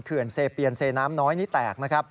เขื่อนเซเปียนเซน้ำน้อยนี้แตก